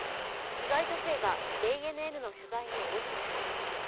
被害女性がＪＮＮの取材に応じました。